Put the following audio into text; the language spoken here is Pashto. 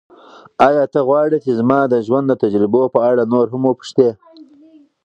ایا ته غواړې چې زما د ژوند د تجربو په اړه نور هم وپوښتې؟